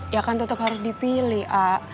ya kan tetep harus dipilih a